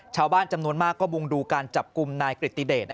ชาวบ้านจำนวนมากก็มุงดูการจับกลุ่มนายกริติเดช